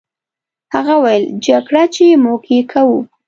هغه وویل: جګړه، چې موږ یې کوو.